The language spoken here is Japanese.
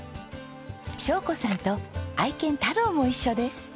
晶子さんと愛犬タローも一緒です。